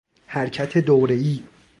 حرکت دوره ای